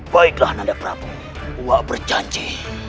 baiklah nanda prabu aku berjanji